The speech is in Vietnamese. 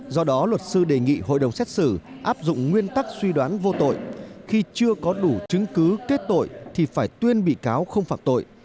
do đó luật sư đề nghị hội đồng xét xử áp dụng nguyên tắc suy đoán vô tội khi chưa có đủ chứng cứ kết tội thì phải tuyên bị cáo không phạm tội